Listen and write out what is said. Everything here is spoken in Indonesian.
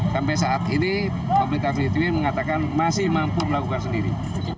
sampai saat ini pemerintah filipina mengatakan masih mampu melakukan sendiri